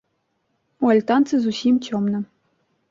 У альтанцы зусім цёмна.